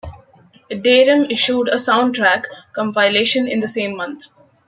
Deram issued a 'soundtrack' compilation in the same month.